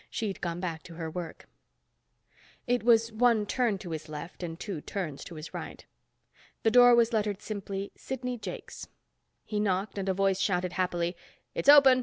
She'd gone back to her work. It was one turn to his left and two turns to his right. The door was lettered simply Sidney Jakes. He knocked and a voice shouted happily, "It's open.